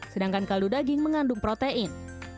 sedangkan kaldu daging mengandung protein